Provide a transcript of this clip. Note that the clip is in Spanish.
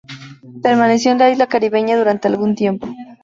Permaneció en la isla caribeña durante algún tiempo.